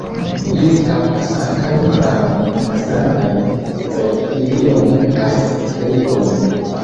Ili kaptas ankaŭ ranojn, malgrandajn reptiliojn kaj helikojn.